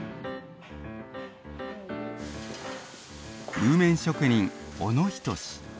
温麺職人小野仁。